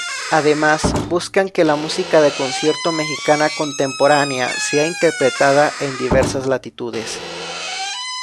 Además, buscan que la música de concierto mexicana contemporánea sea interpretada en diversas latitudes.